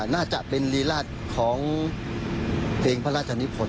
น่าจะเป็นรีราชของเพลงพระราชนิพล